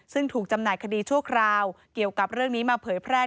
ซึ่งถูกจำหน่ายคดีชั่วคราวเกี่ยวกับเรื่องนี้มาเผยแพร่